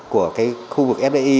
của cái khu vực fdi